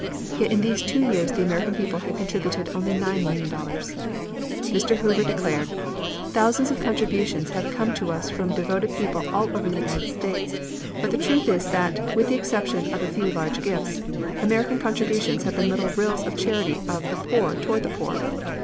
Yet in those two years the American people had contributed only nine million dollars! Mr. Hoover declared: "Thousands of contributions have come to us from devoted people all over the United States, but the truth is that, with the exception of a few large gifts, American contributions have been little rills of charity of the poor toward the poor.